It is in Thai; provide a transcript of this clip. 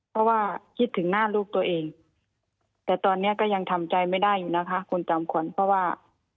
เพราะว่าคิดถึงหน้าลูกตัวเองแต่ตอนนี้ก็ยังทำใจไม่ได้อยู่นะคะคุณจอมขวัญเพราะว่า